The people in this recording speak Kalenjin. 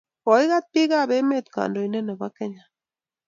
Koigat bikaap emet kandoindet nebo emetab kenya